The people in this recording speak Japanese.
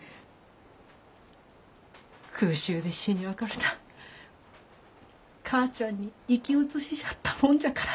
空襲で死に別れた母ちゃんに生き写しじゃったもんじゃから。